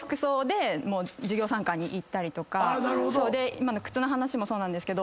今の靴の話もそうなんですけど。